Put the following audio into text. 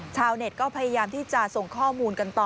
ชาวเน็ตก็พยายามที่จะส่งข้อมูลกันต่อ